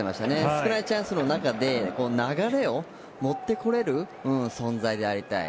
少ないチャンスの中で流れを持ってこられる存在でありたい。